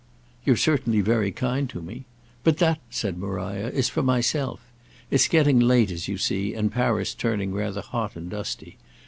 "You're certainly very kind to me. But that," said Maria, "is for myself. It's getting late, as you see, and Paris turning rather hot and dusty.